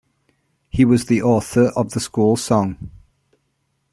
He was the author of the School Song.